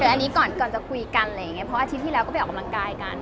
อันนี้ก่อนจะคุยกันเพราะอาทิตย์ที่แล้วก็ไปออกกำลังกายกัน